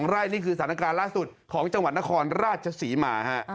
ไร่นี่คือสถานการณ์ล่าสุดของจังหวัดนครราชศรีมาฮะ